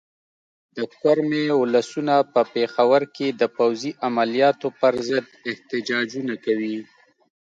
د کرمې ولسونه په پېښور کې د فوځي عملیاتو پر ضد احتجاجونه کوي.